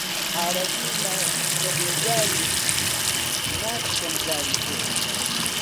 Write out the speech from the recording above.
ئارەزوومە هیچ نەبێ جارێکی ماچ کەم زاری تۆ